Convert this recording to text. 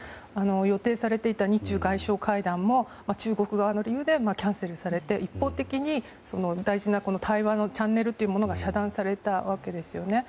予定されていた日中外相会談も中国側の理由でキャンセルされて一方的に大事な対話のチャンネルというものが遮断されたわけですよね。